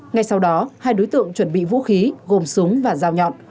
ngay sau đó hai đối tượng chuẩn bị vũ khí gồm súng và dao nhọn